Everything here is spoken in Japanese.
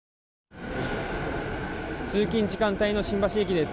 通勤時間帯の新橋駅です。